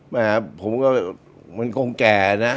มันก็มันก้งแก่นะ